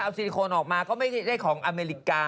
เอาซิลิโคนออกมาก็ไม่ได้ของอเมริกา